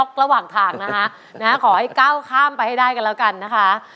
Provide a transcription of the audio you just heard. ขอให้ก้าวข้ามไปให้ได้กันแล้วกันนะคะ